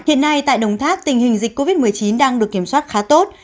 hiện nay tại đồng tháp tình hình dịch covid một mươi chín đang được kiểm soát khá tốt